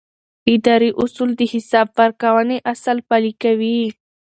اداري اصول د حساب ورکونې اصل پلي کوي.